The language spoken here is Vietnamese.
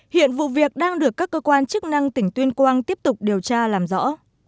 hiện vụ việc đang được các cơ quan chức năng tỉnh tuyên quang tiếp tục điều tra làm rõ